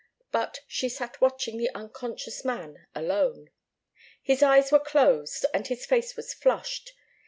But she sat watching the unconscious man alone. His eyes were closed, and his face was flushed.